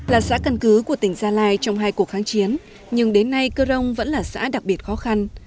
là xã căn cứ của tỉnh gia lai trong hai cuộc kháng chiến nhưng đến nay cơ rông vẫn là xã đặc biệt khó khăn